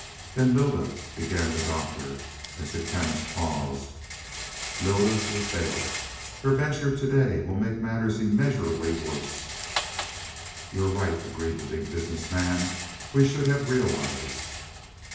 "Then Lylda " began the Doctor, as the Chemist paused. "Lylda will fail. Her venture to day will make matters immeasurably worse." "You're right," agreed the Big Business Man. "We should have realized."